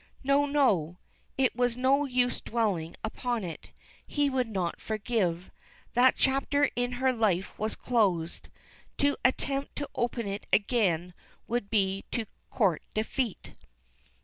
No, no! It was no use dwelling upon it. He would not forgive. That chapter in her life was closed. To attempt to open it again would be to court defeat.